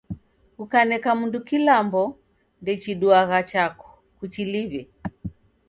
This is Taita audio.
Kukaneka mundu kilambo, ndechiduagha chako. Kuchiliw'e.